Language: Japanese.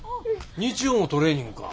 日曜もトレーニングか。